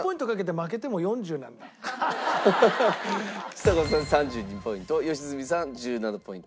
ちさ子さん３２ポイント良純さん１７ポイント。